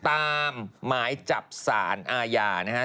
ตามหมายจับศาลอาญานะฮะ